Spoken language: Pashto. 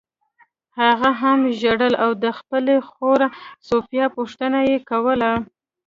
هغه هم ژړل او د خپلې خور سوفیا پوښتنه یې کوله